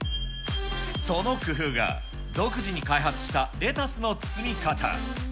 その工夫が、独自に開発したレタスの包み方。